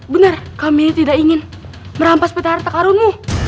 berhenti berhenti kerja dalam berat